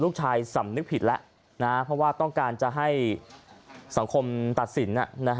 สำนึกผิดแล้วเพราะว่าต้องการจะให้สังคมตัดสิน